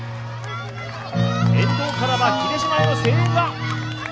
沿道からは秀島への声援が！